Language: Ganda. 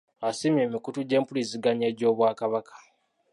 Asiimye emikutu gy'empuliziganya egy'Obwakabaka